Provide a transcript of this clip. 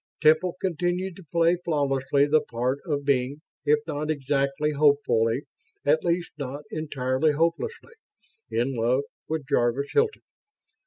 Temple continued to play flawlessly the part of being if not exactly hopefully, at least not entirely hopelessly in love with Jarvis Hilton.